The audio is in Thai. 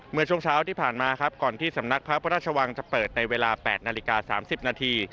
เมื่อช่วงเช้าที่ผ่านมาครับก่อนที่สำนักพระราชวังจะเปิดในเวลา๘นาฬิกา๓๐นาที